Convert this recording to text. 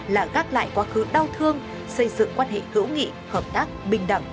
là gác lại quá khứ đau thương xây dựng quan hệ hữu nghị hợp tác bình đẳng